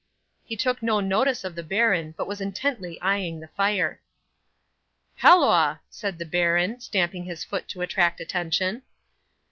He took no notice of the baron, but was intently eyeing the fire. '"Halloa!" said the baron, stamping his foot to attract attention.